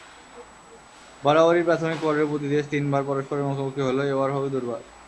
বরাবরই প্রাথমিক পর্বে প্রতি দেশ তিনবার পরস্পরের মুখোমুখি হলেও এবার হবে দুবার।